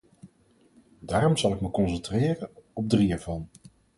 Daarom zal ik me concentreren op drie ervan.